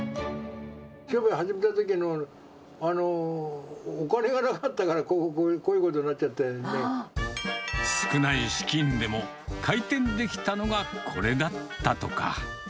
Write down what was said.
商売始めたときにお金がなかったから、少ない資金でも開店できたのがこれだったとか。